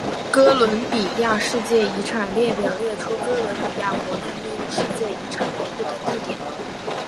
哥伦比亚世界遗产列表列出哥伦比亚国内列入世界遗产名录的地点。